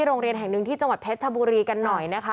โรงเรียนแห่งหนึ่งที่จังหวัดเพชรชบุรีกันหน่อยนะคะ